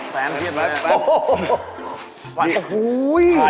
แฟนเหี้ยกมายไปโอ้โฮ